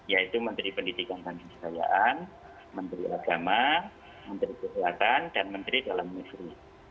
yaitu menteri pendidikan dan kebudayaan menteri agama menteri kesehatan dan menteri dalam negeri